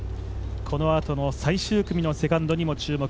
このあとの最終組のセカンドにも注目。